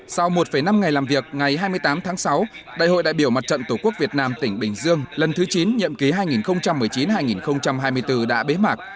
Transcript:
sau một năm ngày làm việc ngày hai mươi tám tháng sáu đại hội đại biểu mặt trận tổ quốc việt nam tỉnh bình dương lần thứ chín nhiệm ký hai nghìn một mươi chín hai nghìn hai mươi bốn đã bế mạc